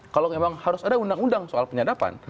kalau memang harus ada undang undang soal penyadapan